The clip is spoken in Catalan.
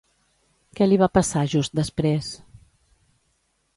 Què li va passar just després?